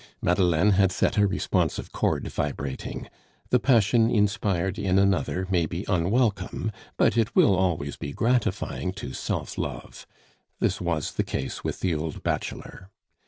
Madeleine had set a responsive chord vibrating; the passion inspired in another may be unwelcome, but it will always be gratifying to self love; this was the case with the old bachelor.